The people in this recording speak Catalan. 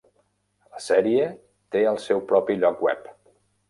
La sèrie té el seu propi lloc web.